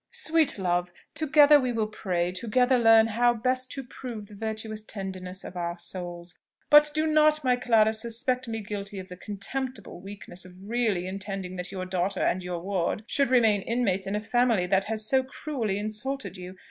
"Sweet love! Together will we pray together learn how best to prove the virtuous tenderness of our souls! But do not, my Clara, suspect me guilty of the contemptible weakness of really intending that your daughter and your ward should remain inmates in a family that has so cruelly insulted you.